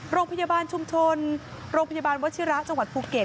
โรงพยาบาลชุมชนโรงพยาบาลวชิระจังหวัดภูเก็ต